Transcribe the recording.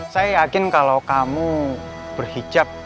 saya yakin kalau kamu berhijab